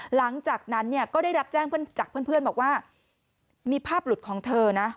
หลังจากนั้นเนี่ยก็ได้รับแจ้งจากเพื่อนบอกว่ามีภาพหลุดของเธอนะ